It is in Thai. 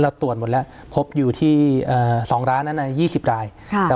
ตรวจหมดแล้วพบอยู่ที่๒ร้านนั้น๒๐ราย